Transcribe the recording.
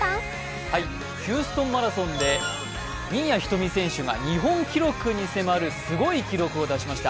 ヒューストンマラソンで新谷仁美選手が日本記録に迫るすごい記録を出しました。